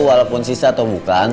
walaupun sisa atau bukan